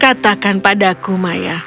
katakan padaku maya